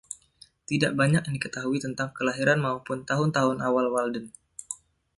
Tidak banyak yang diketahui tentang kelahiran maupun tahun-tahun awal Walden.